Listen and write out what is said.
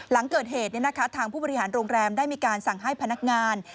หลังเกิดเหตุทางผู้บริหารโรงแรมได้มีการสั่งให้พนักงาน